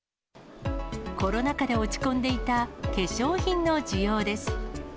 コロナ禍で落ち込んでいた、化粧品の需要です。